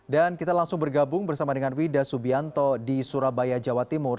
dan kita langsung bergabung bersama dengan wida subianto di surabaya jawa timur